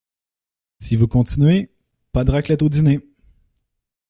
Si vous continuez, pas de raclette au dîner.